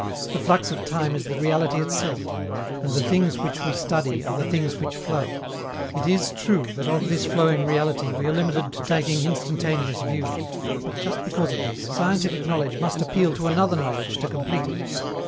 The flux of time is the reality itself, and the things which we study are the things which flow. It is true that of this flowing reality we are limited to taking instantaneous views. But, just because of this, scientific knowledge must appeal to another knowledge to complete it.